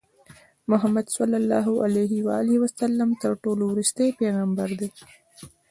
محمدﷺ تر ټولو ورستی پیغمبر دی.